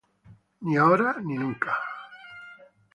Ni ahora ni nunca".